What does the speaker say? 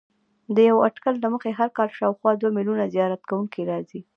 د یوه اټکل له مخې هر کال شاوخوا دوه میلیونه زیارت کوونکي راځي.